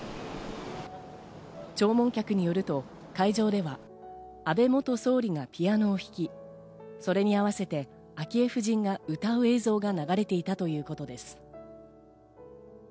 弔問客によると、会場では安倍元総理がピアノを弾き、それに合わせて昭恵夫人が歌う映像が流れていたということです。